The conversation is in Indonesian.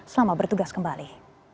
selamat bertugas kembali